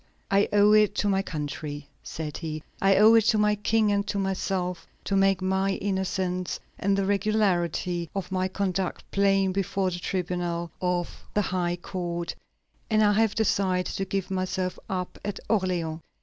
"I owe it to my country," said he, "I owe it to my King and to myself to make my innocence and the regularity of my conduct plain before the tribunal of the high court, and I have decided to give myself up at Orleans."